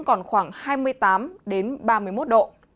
còn khoảng hai mươi tám ba mươi một độ